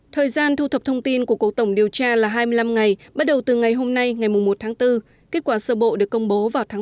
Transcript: thời gian thu thập thông tin của cổ tổng điều tra là hai mươi năm ngày bắt đầu từ ngày hôm nay ngày một tháng bốn kết quả sơ bộ được công bố vào tháng ba